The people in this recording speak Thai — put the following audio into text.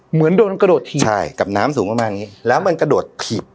เหมือนโดนกระโดดถีบใช่กับน้ำสูงประมาณนี้แล้วมันกระโดดถีบ